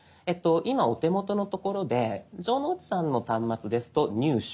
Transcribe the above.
今お手元の所で城之内さんの端末ですと「入手」。